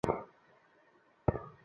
আর হতেও চাই না।